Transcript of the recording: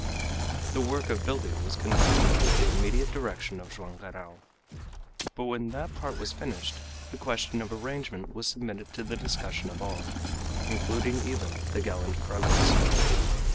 The work of building was conducted under the immediate direction of Joam Garral. But when that part was finished the question of arrangement was submitted to the discussion of all, including even the gallant Fragoso.